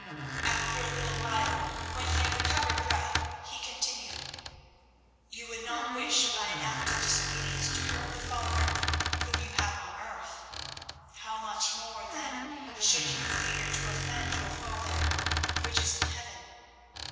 After a little while, when he had recovered breath, he continued: "You would not wish by an act of disobedience to hurt the father whom you have on earth; how much more then should you fear to offend your Father which is in heaven?